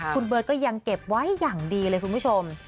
คุณเบิร์ตก็ยังเก็บไว้อย่างดีเลยคุณผู้ชม